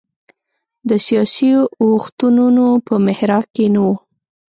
د سیاسي اوښتونونو په محراق کې نه و.